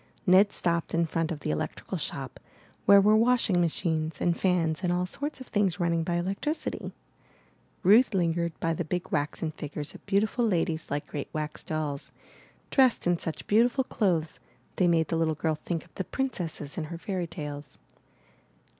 Ned stopped in front of the electrical shop, where were washing machines and fans and all sorts of things running by electricity. Ruth lingered by the big waxen figures of beautiful ladies like great wax dolls, dressed in such beautiful 410 IN THE NURSERY clothes they made the little girl think of the princesses in her fairy tales.